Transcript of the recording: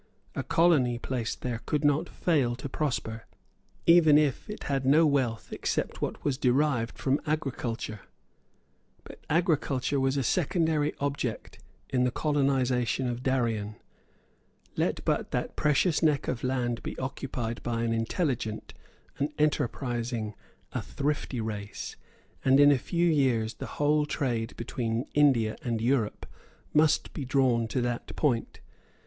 A colony placed there could not fail to prosper, even if it had no wealth except what was derived from agriculture. But agriculture was a secondary object in the colonization of Darien. Let but that precious neck of land be occupied by an intelligent, an enterprising, a thrifty race; and, in a few years, the whole trade between India and Europe must be drawn to that point.